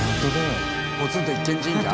ポツンと一軒神社？